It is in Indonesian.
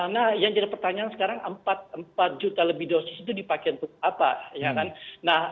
nah yang jadi pertanyaan sekarang empat juta lebih dosis itu dipakai untuk apa